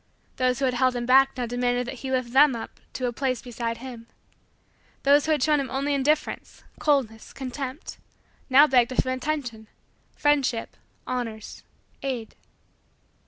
Those who had held him back now demanded that he lift them up to a place beside him. Those who had shown him only indifference coldness contempt, now begged of him attention friendship honors aid.